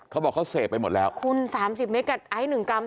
เขาบอกเขาเสพไปหมดแล้วคุณสามสิบเมตรกับไอซ์หนึ่งกรัม